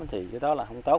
thì cái đó là không tồn dư